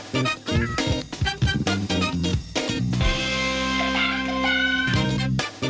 จะดีกันแล้วล่ะ